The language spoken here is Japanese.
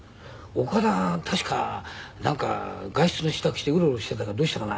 「岡田確かなんか外出の支度してウロウロしていたがどうしたかな？